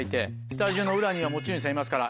スタジオの裏には持ち主さんいますから。